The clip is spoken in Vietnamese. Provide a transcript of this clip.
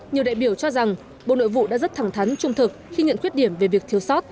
nhiều đại biểu cho rằng bộ nội vụ đã rất thẳng thắn trung thực khi nhận khuyết điểm về việc thiếu sót